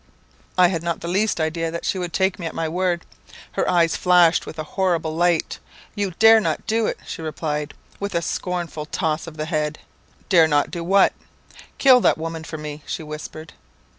"I had not the least idea that she would take me at my word. Her eyes flashed with a horrible light. 'You dare not do it!' she replied, with a scornful toss of her head. "'Dare not do what?' "'Kill that woman for me!' she whispered.